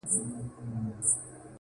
کلونه کيږي چي يې زه د راتلو لارې څارم